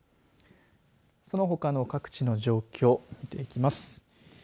そのほかの各地の状況見ていきます。